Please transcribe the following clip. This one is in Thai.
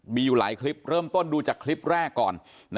มีอยู่หลายคลิปเริ่มต้นดูจากคลิปแรกก่อน